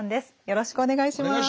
よろしくお願いします。